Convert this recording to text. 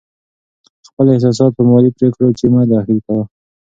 خپل احساسات په مالي پرېکړو کې مه دخیل کوه.